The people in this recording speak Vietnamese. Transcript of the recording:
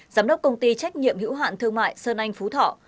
giám đốc công ty trách nhiệm hữu hạn thương mại sơn anh phú thọ